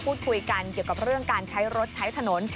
พูดคุยกันเกี่ยวกับเรื่องการใช้รถใช้ถนน